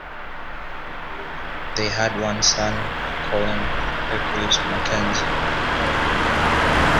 They had one son, Colin Hercules Mackenzie.